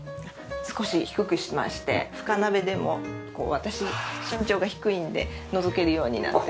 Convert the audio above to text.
少し低くしまして深鍋でも私身長が低いのでのぞけるようになってるんです。